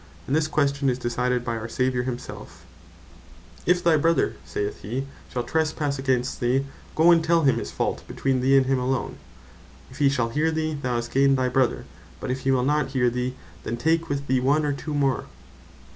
And this question is decided by our Saviour himself; (Mat. 18. 15, 16, 17.) "If thy Brother (saith he) shall trespasse against thee, go and tell him his fault between thee, and him alone; if he shall hear thee, thou hast gained thy Brother. But if he will not hear thee, then take with thee one, or two more.